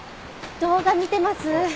動画見てます。